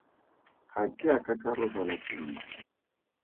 Ga ke a ka ka robala sentle.